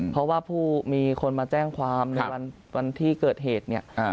เพราะว่าผู้มีคนมาแจ้งความในวันที่เกิดเหตุเนี่ย